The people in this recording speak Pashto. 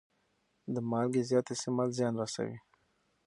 د مالګې زیات استعمال زیان رسوي.